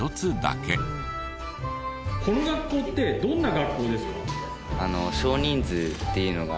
この学校ってどんな学校ですか？